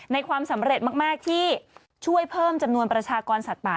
ความสำเร็จมากที่ช่วยเพิ่มจำนวนประชากรสัตว์ป่า